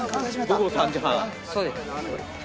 午後３時半？